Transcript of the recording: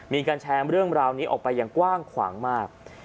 มีการแชร์เรื่องราวนี้ออกไปอย่างกว้างขวางมาก